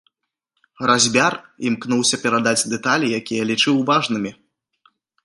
Разьбяр імкнуўся перадаць дэталі, якія лічыў важнымі.